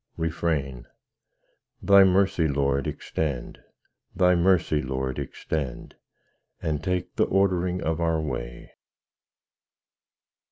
Refrain Thy mercy, Lord, extend; Thy mercy, Lord, extend, _And take the ordering of our way.